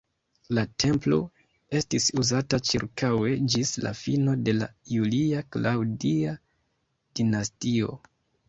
La templo estis uzata ĉirkaŭe ĝis la fino de la Julia-Klaŭdia dinastio.